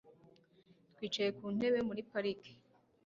Twicaye ku ntebe muri parike